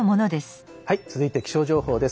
続いて気象情報です。